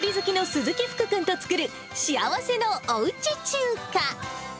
料理好きの鈴木福君と作る幸せのおうち中華。